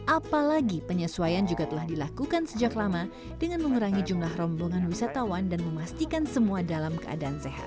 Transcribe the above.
apalagi penyesuaian juga telah dilakukan sejak lama dengan mengurangi jumlah rombongan wisatawan dan memastikan semua dalam keadaan sehat